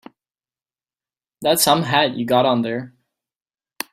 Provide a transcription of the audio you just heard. That's some hat you got on there.